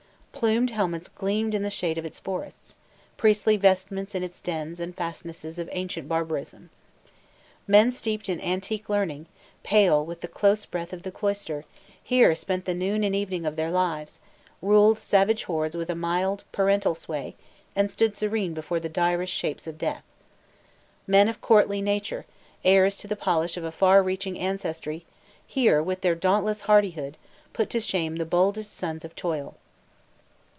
Plumed helmets gleamed in the shade of its forests, priestly vestments in its dens and fastnesses of ancient barbarism. Men steeped in antique learning, pale with the close breath of the cloister, here spent the noon and evening of their lives, ruled savage hordes with a mild, parental sway, and stood serene before the direst shapes of death. Men of courtly nurture, heirs to the polish of a far reaching ancestry, here, with their dauntless hardihood, put to shame the boldest sons of toil.